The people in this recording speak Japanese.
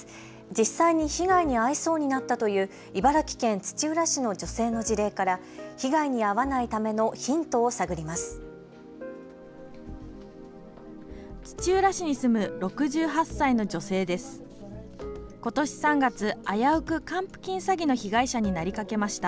実際に被害に遭いそうになったという茨城県土浦市の女性の事例から被害に遭わないためのヒントを探ります。